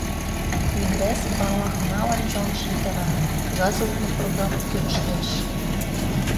НИГРЭС Балахналан чоныш витара: кагаз лукмо программым кӱрыштеш.